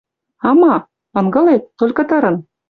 «А ма?» — «Ынгылет. Толькы тырын...